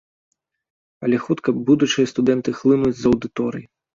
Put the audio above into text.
Але хутка будучыя студэнты хлынуць з аўдыторыі.